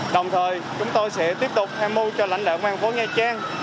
đồng thời chúng tôi sẽ tiếp tục hẹn mưu cho lãnh lạc ngoan phố nha trang